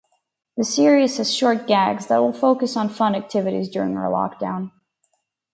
The series has short gags that will focus on fun activities during our lockdown.